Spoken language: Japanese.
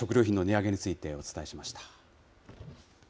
食料品の値上げについてお伝えしました。